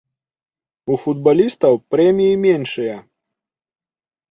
У футбалістаў прэміі меншыя.